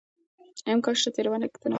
امکان شته تېروتنه کمه شي.